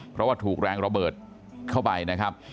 เพราะว่าถูกแรงระเบิดเข้าไปนะครับ